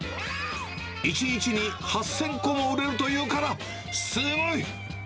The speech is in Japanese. １日に８０００個も売れるというから、すごい。